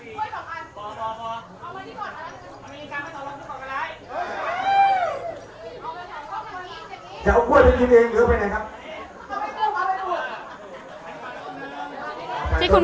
เอามันที่ก่อนฮรรภ์นะคะจะกินเองเหลือก็ไปไหนครับ